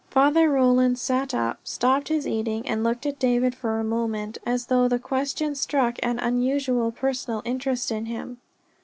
Father Roland sat up, stopped his eating, and looked at David for a moment as though the question struck an unusual personal interest in him.